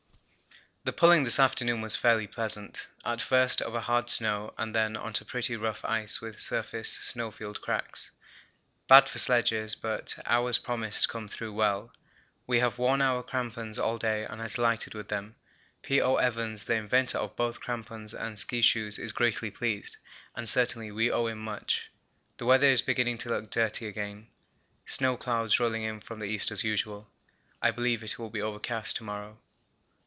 The pulling this afternoon was fairly pleasant; at first over hard snow, and then on to pretty rough ice with surface snowfield cracks, bad for sledges, but ours promised to come through well. We have worn our crampons all day and are delighted with them. P.O. Evans, the inventor of both crampons and ski shoes, is greatly pleased, and certainly we owe him much. The weather is beginning to look dirty again, snow clouds rolling in from the east as usual. I believe it will be overcast to morrow.